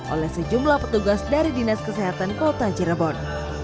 oleh sejumlah petugas dari dinas kesehatan kota cirebon